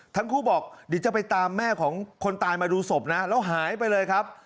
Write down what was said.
ทั้งคู่บอกเดี๋ยวจะไปตามแม่ของคนตายมาดูศพนะแล้วหายไปเลยครับ